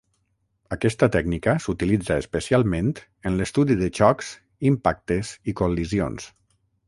Aquesta tècnica s'utilitza especialment en l'estudi de xocs, impactes i col·lisions.